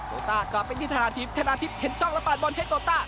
ต้ากลับไปที่ธนาทิพย์ธนาทิพย์เห็นช่องและปาดบอลเทคโตต้า